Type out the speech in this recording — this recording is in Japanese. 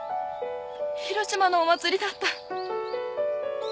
広島のお祭りだった。